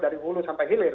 dari hulu sampai hilir